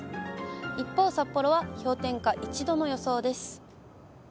一方、札幌は氷点下１度の予想です。